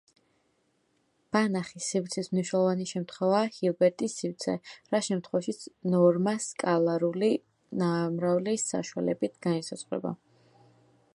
ბანახის სივრცის მნიშვნელოვანი შემთხვევაა ჰილბერტის სივრცე, რა შემთხვევაშიც ნორმა სკალარული ნამრავლის საშუალებით განისაზღვრება.